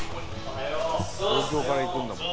「東京から行くんだもんな」